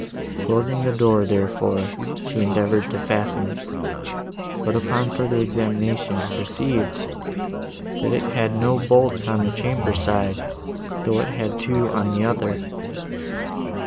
Closing the door, therefore, she endeavoured to fasten it, but, upon further examination, perceived, that it had no bolts on the chamber side, though it had two on the other.